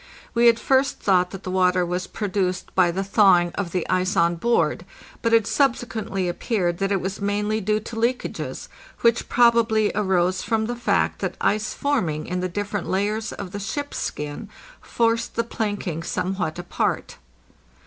We at first thought that the water was produced by the thawing of the ice on board, but it THE "FRAM" BEFORE HER RELEASE subsequently appeared that it was mainly due to leakages, which probably arose from the fact that ice forming in the different layers of the ship's skin forced the planking somewhat apart.